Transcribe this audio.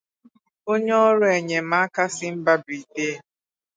onye ọrụ enyem aka si mba Briten